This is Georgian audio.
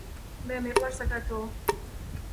მე მიყვარს საქართვეიო